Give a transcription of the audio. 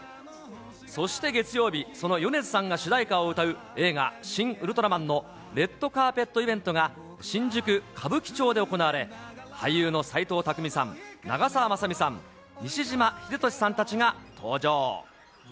そして月曜日、その米津さんが主題歌を歌う映画、シン・ウルトラマンのレッドカーペットイベントが新宿・歌舞伎町で行われ、俳優の斎藤工さん、長澤まさみさん、西島秀俊さんたちが登場。